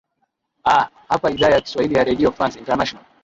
aa hapa idhaa ya kiswahili ya redio france international